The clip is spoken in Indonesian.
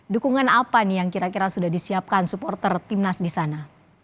dukungan apa nih yang kira kira sudah disiapkan supporter timnas di sana